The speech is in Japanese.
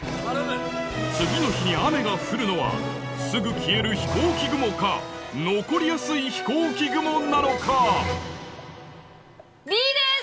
次の日に雨が降るのはすぐ消える飛行機雲か残りやすい飛行機雲なのかＢです！